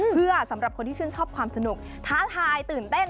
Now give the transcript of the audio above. เพื่อสำหรับคนที่ชื่นชอบความสนุกท้าทายตื่นเต้น